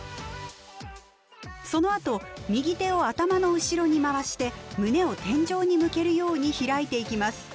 そのあと右手を頭の後ろに回して胸を天井に向けるように開いていきます。